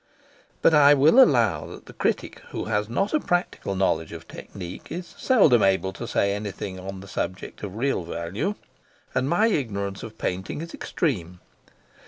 But I will allow that the critic who has not a practical knowledge of technique is seldom able to say anything on the subject of real value, and my ignorance of painting is extreme.